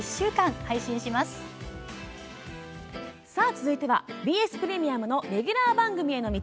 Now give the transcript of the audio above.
続いてはＢＳプレミアムの「レギュラー番組への道」